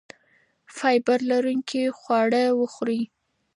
فایبر لرونکي خواړه وخورئ.